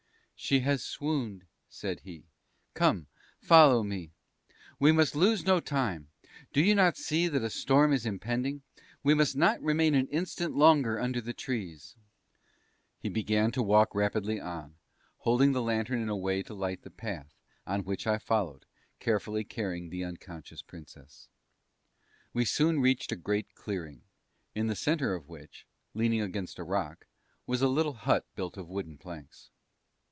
"She has swooned," said he. "Come, follow me. We must lose no time; do you not see that a storm is impending? We must not remain an instant longer under the trees." He began to walk rapidly on, holding the lantern in a way to light the path, on which I followed, carefully carrying the unconscious Princess. We soon reached a great clearing, in the centre of which, leaning against a rock, was a little hut built of wooden planks.